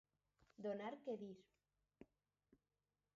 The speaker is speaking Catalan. Donar que dir.